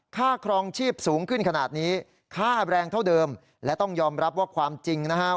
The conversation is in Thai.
ครองชีพสูงขึ้นขนาดนี้ค่าแรงเท่าเดิมและต้องยอมรับว่าความจริงนะฮะ